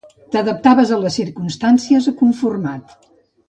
T'adaptaves a les circumstàncies, aconformat.